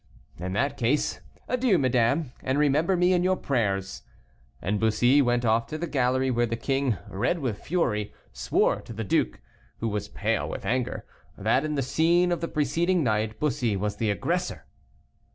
"In that case, adieu, madame, and remember me in your prayers." And Bussy went off to the gallery, where the king, red with fury, swore to the duke, who was pale with anger, that in the scene of the preceding night Bussy was the aggressor.